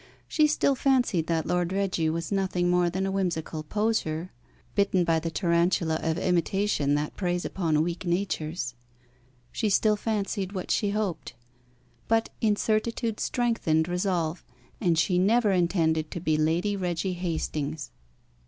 She still fancied that Lord Reggie was nothing more than a whimsical poseur, bitten by the tarantula of imitation that preys upon weak natures. She still fancied what she hoped. But incertitude strengthened resolve, and she never intended to be Lady Reggie Hastings.